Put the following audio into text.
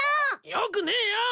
よくねえよ！